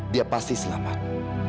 dia pasti akan selamat